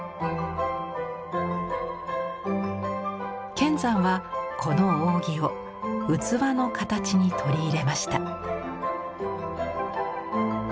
乾山はこの扇を器の形に取り入れました。